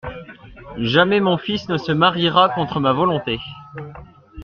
Jamais mon fils ne se mariera contre ma volonté.